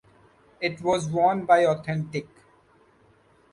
It was won by Authentic.